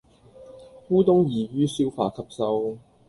烏冬易於消化吸收